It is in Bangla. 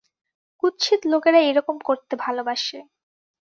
কুৎসিত লোকেরা এরকম করতে ভালোবাসে।